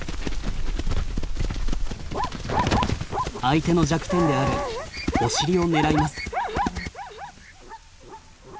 相手の弱点であるお尻を狙います。